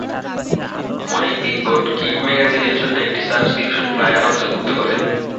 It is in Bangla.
অনেক বিগ বোর্ড কিট ম্যাগাজিনের জন্য একটি সাবস্ক্রিপশন ফ্লায়ার অন্তর্ভুক্ত করে।